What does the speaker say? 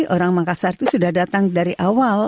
orang makassar itu sudah datang dari awal